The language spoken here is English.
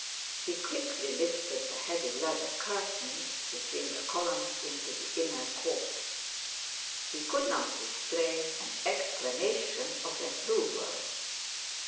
He quickly lifted the heavy leather curtains between the columns into the inner court. He could not restrain an exclamation of approval.